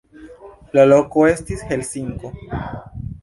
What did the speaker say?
La loko estis Helsinko.